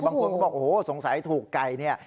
บางคนบอกโอ้โฮสงสัยถูกไก่